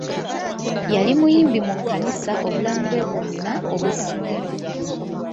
Yali muyimbi mu kkanisa obulamu bwe bwonna obw'essomero.